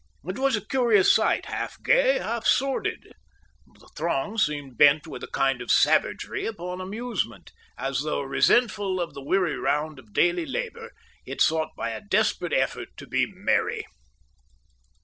It was a curious sight, half gay, half sordid. The throng seemed bent with a kind of savagery upon amusement, as though, resentful of the weary round of daily labour, it sought by a desperate effort to be merry.